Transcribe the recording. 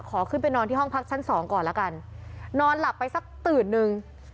ขอขึ้นไปนอนที่ห้องพักชั้นสองก่อนแล้วกันนอนหลับไปสักตื่นนึง